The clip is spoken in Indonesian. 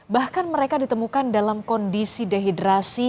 bahkan mereka ditemukan dalam kondisi dehidrasi